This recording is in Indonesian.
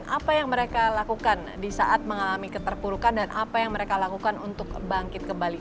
apa yang mereka lakukan di saat mengalami keterpurukan dan apa yang mereka lakukan untuk bangkit kembali